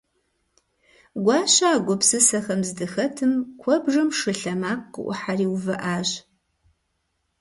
Гуащэ а гупсысэхэм здыхэтым куэбжэм шы лъэмакъ къыӏухьэри увыӏащ.